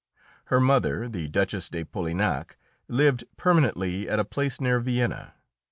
Her mother, the Duchess de Polignac, lived permanently at a place near Vienna.